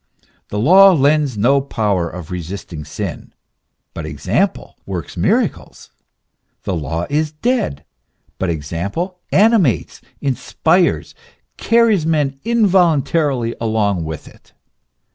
The law lends no power of resisting sin, hut example works miracles. The law is dead ; but ex ample animates, inspires, carries men involuntarily along with it.